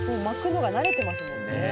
巻くのが慣れてますもんね。